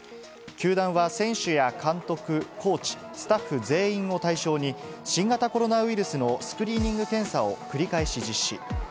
球団は選手や監督、コーチ、スタッフ全員を対象に、新型コロナウイルスのスクリーニング検査を繰り返し実施。